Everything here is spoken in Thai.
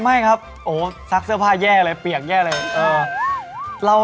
ไม่ครับโอ้ซักเสื้อผ้าแย่เลยเปียกแย่เลย